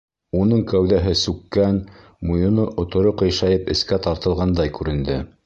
Уның кәүҙәһе сүккән, муйыны оторо ҡыйшайып эскә тартылғандай күренде...